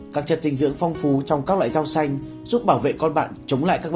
các chất dinh dưỡng phong phú trong các loại rau xanh giúp bảo vệ con bạn chống lại các loại